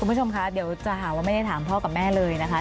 คุณผู้ชมคะเดี๋ยวจะหาว่าไม่ได้ถามพ่อกับแม่เลยนะคะ